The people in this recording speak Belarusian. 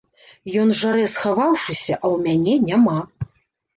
Ён жарэ, схаваўшыся, а ў мяне няма.